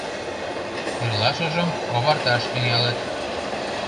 Эрлашыжым оварташ тӱҥалыт.